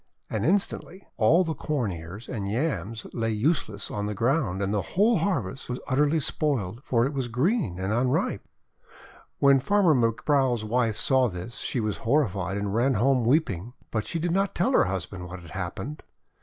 And instantly all the Corn Ears and Yams lay useless on the ground, and the whole harvest was utterly spoiled, for it was green and unripe. THE WITCH CAT 345 When Farmer Mybrow's wife saw this, she was horrified, and ran home weeping. But she did not tell her husband what had happened.